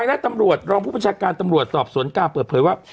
ใครได้ตำรวจรองผู้ประชาการตำรวจสอบสวนกล้าเปิดเผยว่า